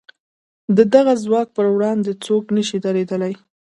د دغه ځواک پر وړاندې څوک نه شي درېدلای.